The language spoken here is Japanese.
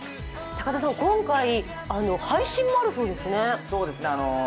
高田さん、今回、配信もあるそうですね。